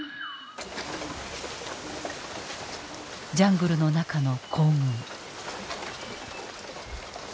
ジャングルの中の行軍。